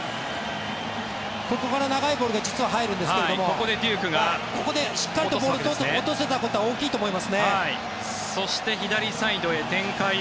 ここから長いボールが実は入るんですけどここでしっかりと落とせたことはそして、左サイドへ展開。